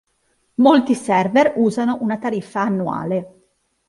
Molti server usano una tariffa annuale.